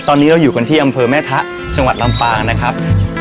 ตอนนี้เราอยู่กันที่อำเภอแม่ทะจังหวัดลำปางนะครับ